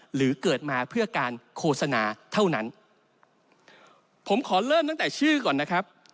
หรือเกิดมาเพื่อการโฆษณาเท่านั้นผมขอเริ่มตั้งแต่ชื่อก่อนนะครับ